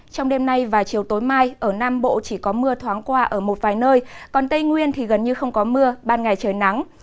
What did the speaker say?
trong đêm nay và chiều tối mai ở nam bộ chỉ có mưa thoáng qua ở một vài nơi còn tây nguyên thì gần như không có mưa ban ngày trời nắng